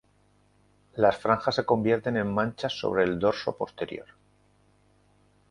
Las franjas se convierten en manchas sobre el dorso posterior.